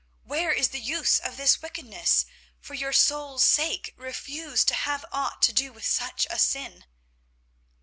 Where is the use of this wickedness? For your soul's sake, refuse to have aught to do with such a sin."